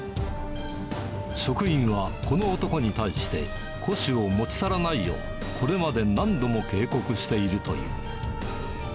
職員はこの男に対して、古紙を持ち去らないよう、これまで何度も警告しているという。